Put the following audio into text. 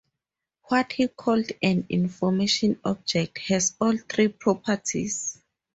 What he called an "information object" has all three properties.